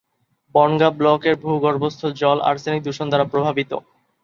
বনগাঁ ব্লকের ভূগর্ভস্থ জল আর্সেনিক দূষণ দ্বারা প্রভাবিত।